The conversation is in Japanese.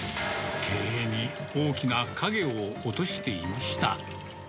経営に大きな影を落としていました。